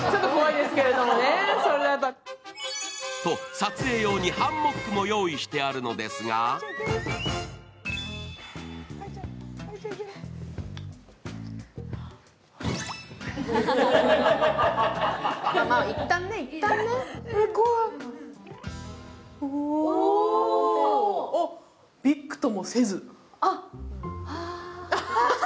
撮影用にハンモックも用意してあるのですがおっ、びくともせず。